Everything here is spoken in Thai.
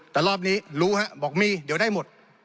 แต่รอบนี้รู้เดี๋ยวได้หมด